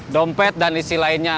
dompet dan isi lainnya